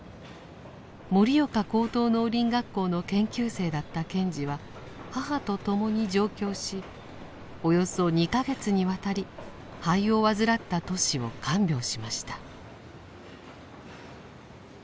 盛岡高等農林学校の研究生だった賢治は母と共に上京しおよそ２か月にわたり肺を患ったトシを看病しました。